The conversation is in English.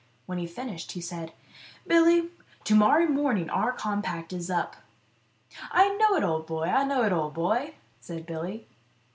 When he finished, he said, " Billy, to morrow morning our compact is up." " I know it, old boy, I know it, old boy !" said Billy.